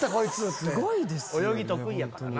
すごいですよね。